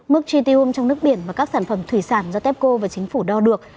mức tritium trong nước biển và các sản phẩm thủy sản do tepco và chính phủ đo được